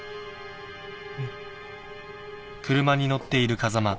うん。